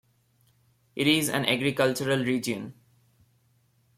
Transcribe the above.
It is an agricultural region.